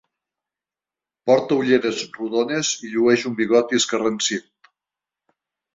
Porta ulleres rodones i llueix un bigoti escarransit.